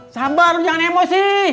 sabar lo jangan emosi